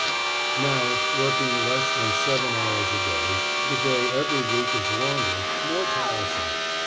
Now, working less than seven hours a day, the day every week is longer, more tiresome.